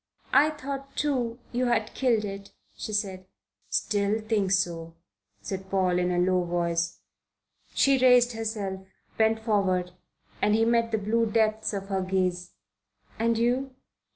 "I thought, too, you had killed it," she said. "Still think so," said Paul, in a low voice. She raised herself, bent forward, and he met the blue depths of her gaze. "And you?